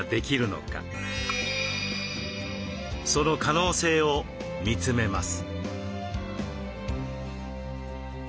その可能性を見つめます。